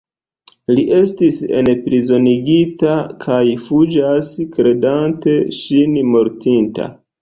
Li estis enprizonigita kaj fuĝas kredante ŝin mortinta.